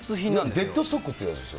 デッドストックってやつだよ